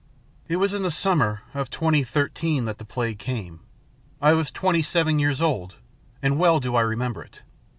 "It was in the summer of 2013 that the Plague came. I was twenty seven years old, and well do I remember it.